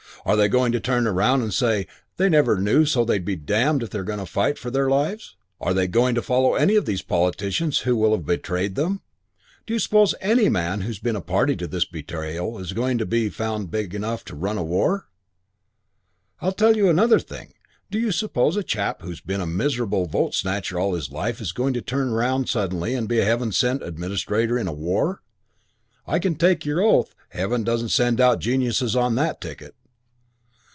Are they going to turn around and say they never knew it so they'll be damned if they'll fight for their lives? Are they going to follow any of these politicians who will have betrayed them? Do you suppose any man who's been party to this betrayal is going to be found big enough to run a war? I tell you that's another thing. Do you suppose a chap who's been a miserable vote snatcher all his life is going to turn round suddenly and be a heaven sent administrator in a war? You can take your oath Heaven doesn't send out geniuses on that ticket.